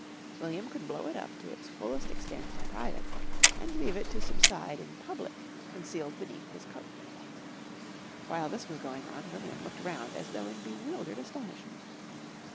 William could blow it up to its fullest extent in private and leave it to subside in public concealed beneath his coat. While this was going on William looked round as though in bewildered astonishment.